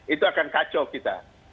itu akan kacau kita